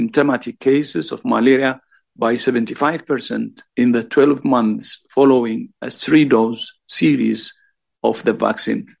penyakit tersebut menurunkan tujuh puluh lima persen di dalam dua belas bulan setelah tiga dosis vaksin